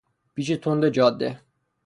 پیچ تند جاده